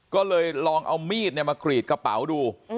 ก็เลยลองเอามีดมากรีดกระเป๋าดู